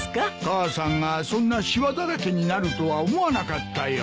母さんがそんなしわだらけになるとは思わなかったよ。